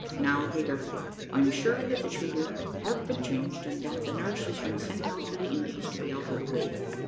"Now, Peter, I'm sure that the childer have been changed and that the nurse has been sent to the Indies to be out of the way.